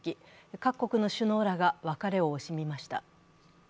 各国の首脳らが別れを惜しみました。